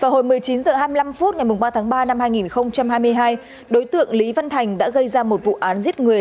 hồi một mươi chín h hai mươi năm phút ngày ba tháng ba năm hai nghìn hai mươi hai đối tượng lý văn thành đã gây ra một vụ án giết người